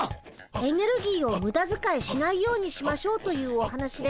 エネルギーをムダづかいしないようにしましょうというお話です。